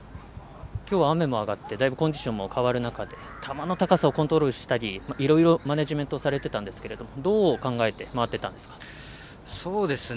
きょうは雨も上がって、だいぶコンディションも変わる中で球の高さをコントロールしたりいろいろマネジメントしてましたけどどう考えて回ってたんですか？